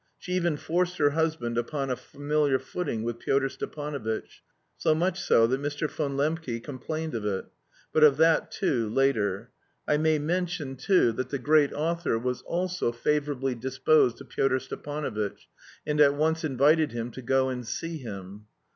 She even forced her husband upon a familiar footing with Pyotr Stepanovitch, so much so that Mr. von Lembke complained of it... but of that, too, later. I may mention, too, that the great author was also favourably disposed to Pyotr Stepanovitch, and at once invited him to go and see him.